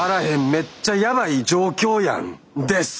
めっちゃヤバい状況やんです！